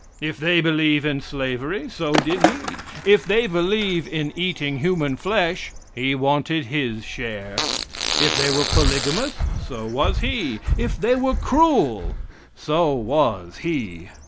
If they believe in slavery, so did he; if they believe in eating human flesh, he wanted his share; if they were polygamous, so was he; if they were cruel, so was he.